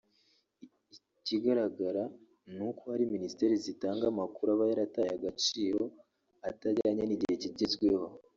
Ikigaragara ni uko hari Minisiteri zitanga amakuru aba yarataye agaciro (atajyanye n’igihe kigezweho)